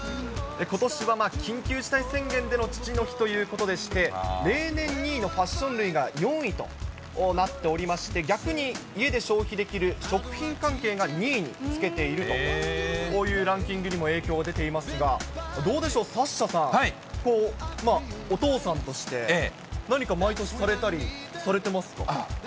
ことしは緊急事態宣言での父の日ということでして、例年２位のファッション類が４位となっておりまして、逆に家で消費できる食品関係が２位につけているという、ランキングにも影響が出ていますが、どうでしょう、サッシャさん、お父さんとして、何か毎年されたり、されてますか？